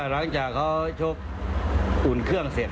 หลังจากเขาชกอุ่นเครื่องเสร็จ